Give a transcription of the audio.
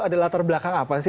ada latar belakang apa sih